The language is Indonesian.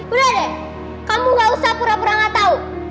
udah deh kamu gak usah pura pura gak tau